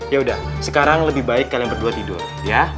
yaudah sekarang lebih baik kalian berdua tidur ya